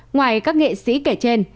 ngoài các nghệ sĩ kể trên